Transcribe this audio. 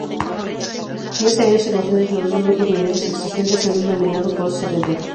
En ese año se concentran los dos grupos mineros existentes en uno denominado Cerredo.